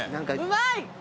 うまい！